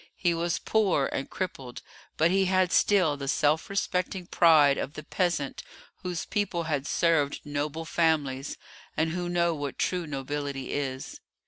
He was poor and crippled, but he had still the self respecting pride of the peasant whose people had served noble families, and who know what true nobility is.